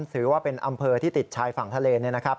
ถือว่าเป็นอำเภอที่ติดชายฝั่งทะเล